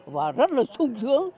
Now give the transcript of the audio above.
và rất là sung sướng